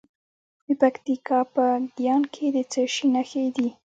د پکتیکا په ګیان کې د څه شي نښې دي؟